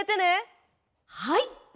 はい！